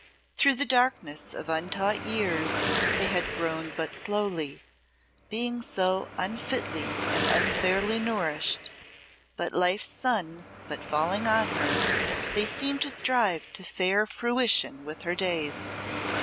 Through the darkness of untaught years they had grown but slowly, being so unfitly and unfairly nourished; but Life's sun but falling on her, they seemed to strive to fair fruition with her days.